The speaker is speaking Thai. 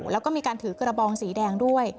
แล้วก็มีการถือกระบองสีแดงด้วย